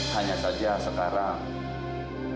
hanya saja sekarang